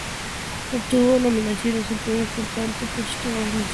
Obtuvo nominaciones y premios tanto por sus trabajos musicales como de sonido.